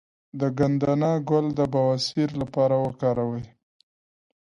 د ګندنه ګل د بواسیر لپاره وکاروئ